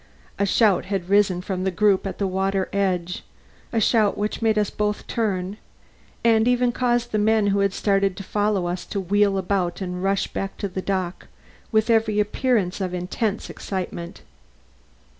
A shout had risen from the group at the water edge; a shout which made us both turn, and even caused the men who had started to follow us to wheel about and rush back to the dock with every appearance of intense excitement.